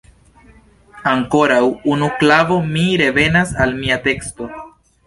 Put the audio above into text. Ankoraŭ unu klavo – mi revenas al mia teksto.